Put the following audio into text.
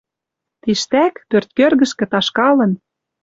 Тиштӓк, пӧрт кӧргӹшкӹ ташкалын